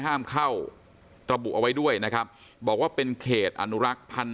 ห้ามเข้าระบุเอาไว้ด้วยนะครับบอกว่าเป็นเขตอนุรักษ์พันธ์